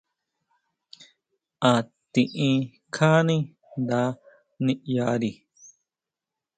A tiʼin kjáni nda ʼniʼyari.